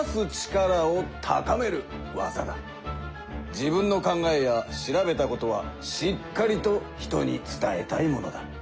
自分の考えや調べたことはしっかりと人に伝えたいものだ。